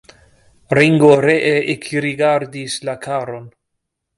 Ringo ree ekrigardis la caron.